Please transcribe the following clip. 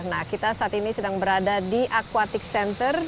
nah kita saat ini sedang berada di aquatic center